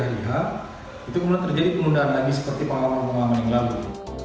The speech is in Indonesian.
lh itu kemudian terjadi penundaan lagi seperti pengalaman pengalaman yang lalu